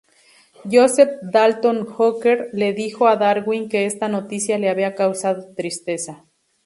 Joseph Dalton Hooker le dijo a Darwin que esta noticia le había causado tristeza.